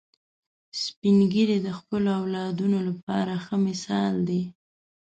سپین ږیری د خپلو اولادونو لپاره ښه مثال دي